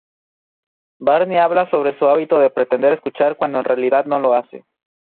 Barney habla sobre su hábito de pretender escuchar cuando en realidad no lo hace.